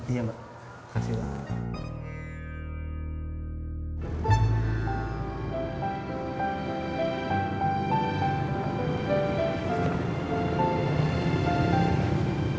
iya mbak kasih banget